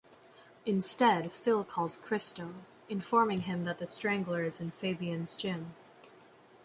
Instead, Phil calls Kristo, informing him that The Strangler is in Fabian's gym.